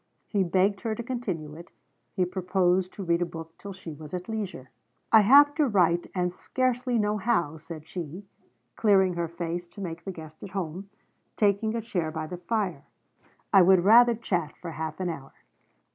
He begged her to continue it; he proposed to read a book till she was at leisure. 'I have to write, and scarcely know how,' said she, clearing her face to make the guest at home, and taking a chair by the fire, 'I would rather chat for half an hour.'